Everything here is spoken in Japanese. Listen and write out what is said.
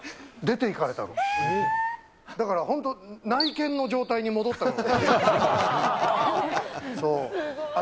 だから本当、内見の状態に戻ったの。